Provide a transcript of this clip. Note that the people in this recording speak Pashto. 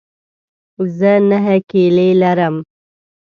زه نهه کیلې لرم.